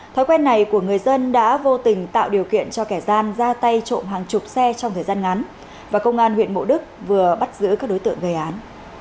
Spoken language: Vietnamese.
thói quen này của người dân đã vô tình tạo điều kiện cho kẻ gian ra tay trộm hàng chục xe trong thời gian ngắn và công an huyện mộ đức vừa bắt giữ các đối tượng gây án